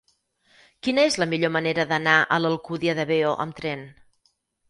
Quina és la millor manera d'anar a l'Alcúdia de Veo amb tren?